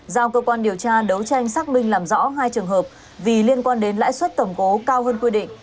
giao cơ quan điều tra đấu tranh xác minh làm rõ hai trường hợp vì liên quan đến lãi suất cầm cố cao hơn quy định